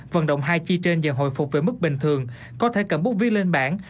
vận động hai chi trên giờ hồi phục về mức bình thường có thể cầm bút viên lên bảng